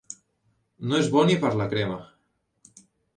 No és bo ni per a la crema.